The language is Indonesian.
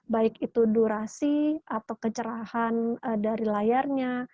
baik itu durasi atau kecerahan dari layarnya